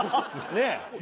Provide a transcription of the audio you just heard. ねえ？